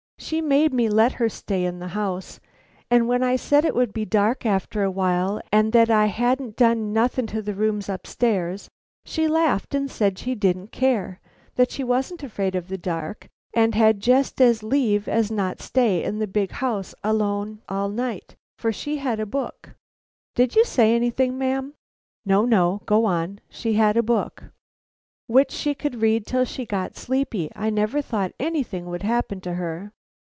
She made me let her stay in the house, and when I said it would be dark after a while and that I hadn't done nothing to the rooms upstairs, she laughed and said she didn't care, that she wasn't afraid of the dark and had just as lieve as not stay in the big house alone all night, for she had a book Did you say anything, ma'am?" "No, no, go on, she had a book." "Which she could read till she got sleepy. I never thought anything would happen to her."